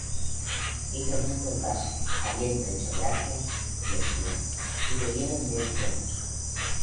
Y tomando el vaso, habiendo hecho gracias, les dió: y bebieron de él todos.